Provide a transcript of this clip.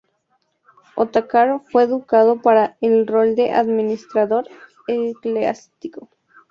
Otakar fue educado para el rol de administrador eclesiástico.